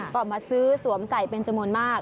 ก็มาซื้อสวมใส่เป็นจำนวนมาก